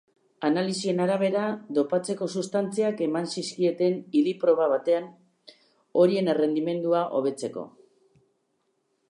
Analisien arabera, dopatzeko substantziak eman zizkieten idi-proba batean horien errendimendua hobetzeko.